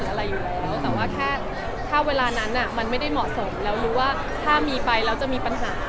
อะไรอยู่แล้วแต่ว่าแค่ถ้าเวลานั้นมันไม่ได้เหมาะสมแล้วรู้ว่าถ้ามีไปแล้วจะมีปัญหา